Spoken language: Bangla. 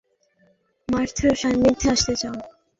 আমাদের আমেরিকান বন্ধু ডুপোন্টকে মার্থার সান্নিধ্যে আসতে দাও।